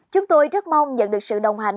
chúng tôi rất mong nhận được sự đồng hành